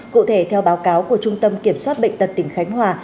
cụ thể theo báo cáo của trung tâm kiểm soát bệnh tật tỉnh khánh hòa